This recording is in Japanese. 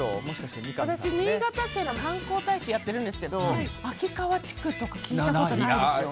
私、新潟県の観光大使やってるんですけど秋川地区とか聞いたことないですよ。